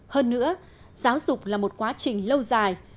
hơn nữa giáo dục là một quá trình lâu dài